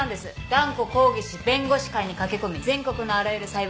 断固抗議し弁護士会に駆け込み全国のあらゆる裁判所に現状を暴露。